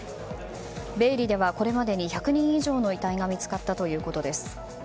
ベエリではこれまでに１００人以上の遺体が見つかったということです。